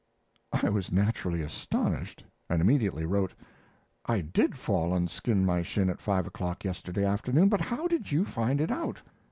I was naturally astonished, and immediately wrote: I did fall and skin my shin at five o'clock yesterday afternoon, but how did you find it out?